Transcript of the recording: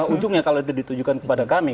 ujungnya kalau itu ditujukan kepada kami